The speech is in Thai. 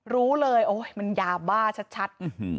รู้เลยโอ๊ยมันยาบ้าชัด